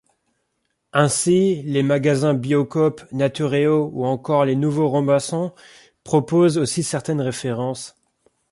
Ainsi, les magasins Biocoop, Naturéo, ou encore Les Nouveaux Robinson proposent aussi certaines références.